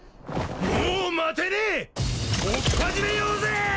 もう待てねえおっぱじめようぜ！